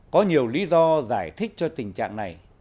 có nhiều lý do giải thích cho tình trạng này